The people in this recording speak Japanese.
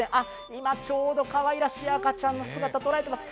今、ちょうどかわいらしい赤ちゃん、捉えています。